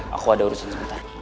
aku ada urusan sebentar